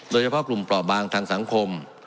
โดยเฉพาะกลุ่มเปราะบางทางสังคม